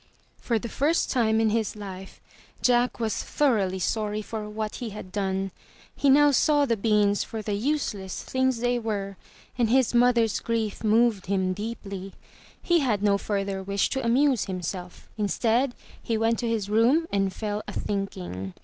For the first time in his life, Jack was thoroughly sorry for what he had done; he now saw the beans for the useless things they were, and his mother's grief moved him deeply. He had no further wish to amuse himself. Instead, he went to his room and fell a thinking.